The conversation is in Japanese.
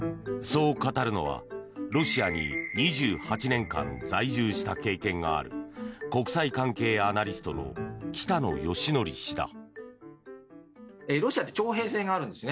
そう語るのは、ロシアに２８年間在住した経験がある国際関係アナリストの北野幸伯氏だ。